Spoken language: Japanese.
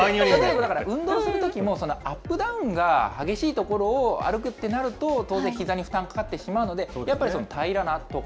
だから運動するときも、アップダウンが激しい所を歩くってなると、当然、ひざに負担かかってしまうので、やっぱり平らな所。